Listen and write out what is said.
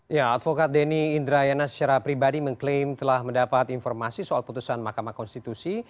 ya advokat denny indrayana secara pribadi mengklaim telah mendapat informasi soal putusan mahkamah konstitusi